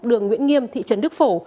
đường nguyễn nghiêm thị trấn đức phổ